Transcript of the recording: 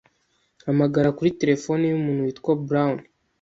Hamagara kuri terefone yumuntu witwa Brown